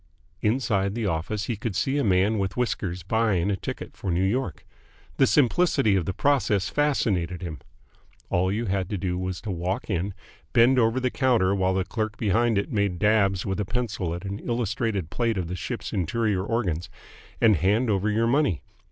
Inside the office he would see a man with whiskers buying a ticket for New York. The simplicity of the process fascinated him. All you had to do was to walk in, bend over the counter while the clerk behind it made dabs with a pencil at the illustrated plate of the ship's interior organs, and hand over your money.